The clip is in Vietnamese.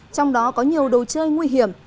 trong đó có nhiều đồ chơi nguy hiểm